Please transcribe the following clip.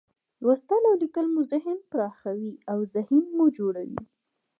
لوستل او لیکل مو ذهن پراخوي، اوذهین مو جوړوي.